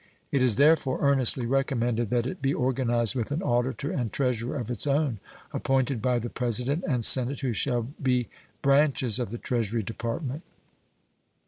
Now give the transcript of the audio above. It is therefore earnestly recommended that it be organized with an auditor and treasurer of its own, appointed by the President and Senate, who shall be branches of the Treasury Department.